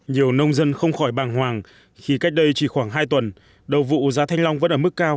nhiều nông dân không khỏi bàng hoàng khi cách đây chỉ khoảng hai tuần đầu vụ giá thanh long vẫn ở mức cao